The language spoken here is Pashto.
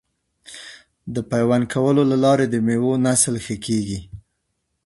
د پیوند کولو له لارې د میوو نسل ښه کیږي.